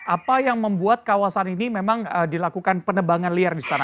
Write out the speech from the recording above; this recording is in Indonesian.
apa yang membuat kawasan ini memang dilakukan penebangan liar di sana